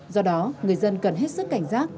do đó người dân cần hết sức cảnh giác